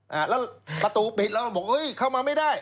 แล้วประตูปิดแล้วมันบอกเอ้ยเข้ามาไม่ได้